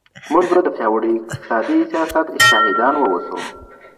موږ به د پياوړي اقتصادي سياست شاهدان واوسو.